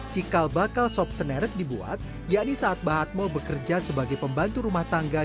cikal bakal sob senerak dibuat yakni saat bah atmo bekerja sebagai pembantu rumah tangga